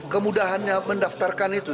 kemudahannya mendaftarkan itu